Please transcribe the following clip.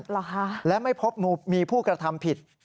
เหรอคะและไม่พบมีผู้กระทำผิด